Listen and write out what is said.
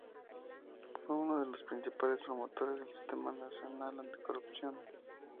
Fue uno de los principales promotores del Sistema Nacional Anticorrupción.